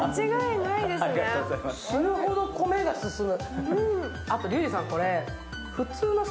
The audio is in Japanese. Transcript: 死ぬほど米が進む。